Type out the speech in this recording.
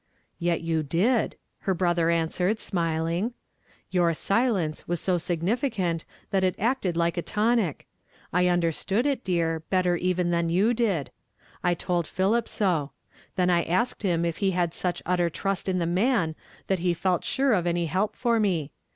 " Yet you did," her brother answered, smiling. "WHO HEALETH ALL THY DISEASES.' 51 " Your silence was so significant that it acted like a tonic ; I understood it, dear, Letter even than you did. I told Philip so. Then I asked him if he had such utter trust in the man that he felt sure of any help for me.